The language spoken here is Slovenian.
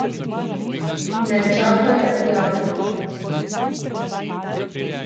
Ne, čakaj rjave.